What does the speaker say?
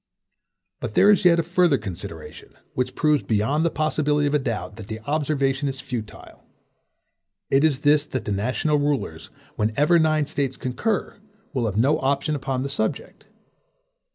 But there is yet a further consideration, which proves beyond the possibility of a doubt, that the observation is futile. It is this that the national rulers, whenever nine States concur, will have no option upon the subject.